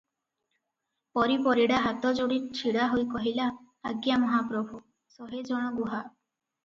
ପରି ପରିଡା ହାତଯୋଡି ଛିଡ଼ା ହୋଇ କହିଲା, "ଆଜ୍ଞା ମହାପ୍ରଭୁ, ଶହେ ଜଣ ଗୁହା ।